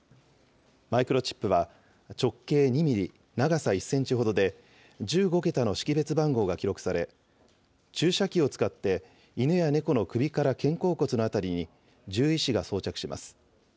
マイクロチップは直径２ミリ、長さ１センチほどで、１５桁の識別番号が記録され、注射器を使って犬や猫の首から肩甲骨の辺りに獣医師が装着します。